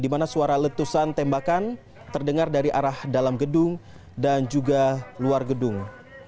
di mana suara letusan tembakan terdengar dari arah dalam gedung dan juga luar gedung